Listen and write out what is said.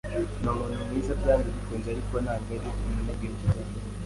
Ni umuntu mwiza, byanze bikunze, ariko ntabwo ari umunyabwenge cyane.